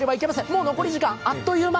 もう残り時間、あっという間。